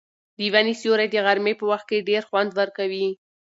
د ونې سیوری د غرمې په وخت کې ډېر خوند ورکوي.